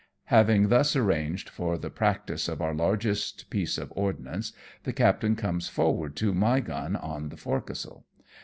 Having thus arranged for the practice of our largest piece of ordnance, the captain conies forward to my gun on the forecastle.